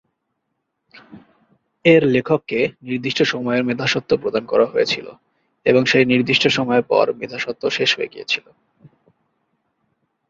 এর লেখককে নির্দিষ্ট সময়ের মেধাস্বত্ব প্রদান করা হয়েছিল এবং সেই নির্দিষ্ট সময়ের পরে মেধাস্বত্ব শেষ হয়ে গিয়েছিল।